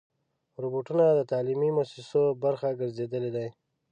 روبوټونه د تعلیمي مؤسسو برخه ګرځېدلي دي.